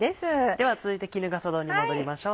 では続いて衣笠丼に戻りましょう。